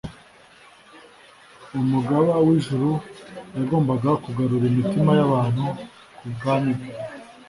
Umugaba w'ijuru yagombaga kugarura imitima y'abantu ku bwami bwe,